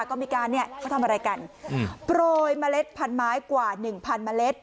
ก็มีการเนี่ยเขาทำอะไรกันอืมโปรยเมล็ดพันไม้กว่าหนึ่งพันเมล็ด